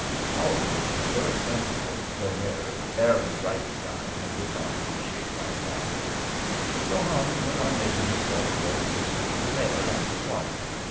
All of which was very sensible, though Mayor Ehrenbreitstein did not appreciate that fact. So Hans went on making himself very useful to the Mayor and his wife.